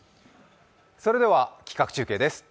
それでは、企画中継です。